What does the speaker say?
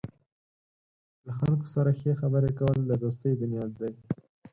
له خلکو سره ښې خبرې کول د دوستۍ بنیاد دی.